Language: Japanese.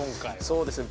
そうですね。